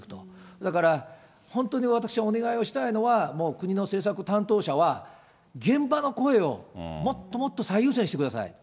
だから、本当に私はお願いをしたいのは、もう国の政策担当者は、現場の声をもっともっと最優先してください。